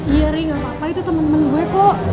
iya ri gak apa apa itu teman teman gue kok